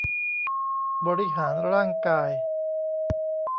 บริหารร่างกาย